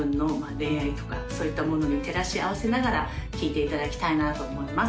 恋愛とかそういったものに照らし合わせながら聴いていただきたいなと思います